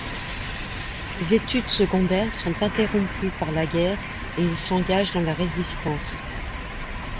Ses études secondaires sont interrompues par la guerre, et il s'engage dans la Résistance.